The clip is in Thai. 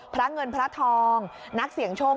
พระเงินพระทองนักเสี่ยงโชค